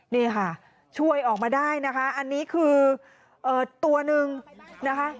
นี่ค่ะช่วยออกมาได้นะคะอันนี้คือตัวหนึ่งนะคะ